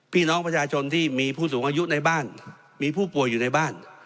พี่น้องประชาชนที่มีผู้สูงอายุในบ้านมีผู้ป่วยอยู่ในบ้าน